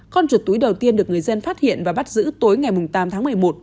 con chuột túi đầu tiên được người dân phát hiện và bắt giữ tối ngày tám tháng một mươi một